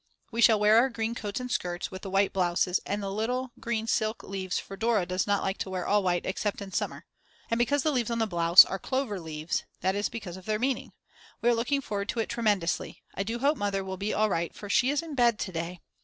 We shall wear our green coats and skirts with the white blouses with the little green silk leaves for Dora does not like to wear all white except in summer. And because the leaves on the blouses are clover leaves, that is because of their meaning. We are looking forward to it tremendously. I do hope Mother will be all right, for she is in bed to day.